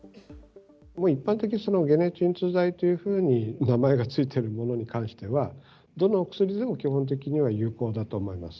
一般的に解熱鎮痛剤というふうに名前が付いてるものに関しては、どのお薬でも基本的には有効だと思います。